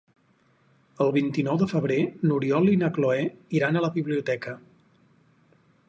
El vint-i-nou de febrer n'Oriol i na Cloè iran a la biblioteca.